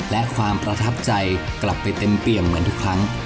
และความประทับใจกลับไปเต็มเปี่ยมเหมือนทุกครั้ง